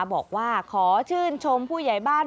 บอกว่าขอชื่นชมผู้ใหญ่บ้าน